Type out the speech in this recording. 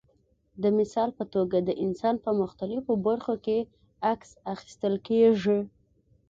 د مثال په توګه د انسان په مختلفو برخو کې عکس اخیستل کېږي.